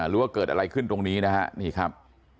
ว่าเกิดอะไรขึ้นตรงนี้นะฮะนี่ครับ